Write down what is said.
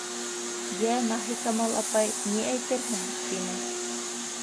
-Йә, Маһикамал апай, ни әйтерһең?!- тине.